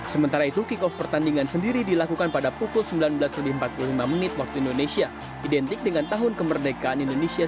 sementara itu kick off pertandingan sendiri dilakukan pada pukul sembilan belas empat puluh lima waktu indonesia identik dengan tahun kemerdekaan indonesia seribu sembilan ratus empat puluh lima